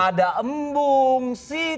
ada embung situs